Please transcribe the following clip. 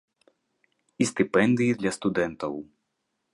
І стыпендыі для студэнтаў.